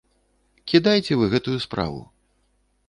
Кідайце вы гэтую справу.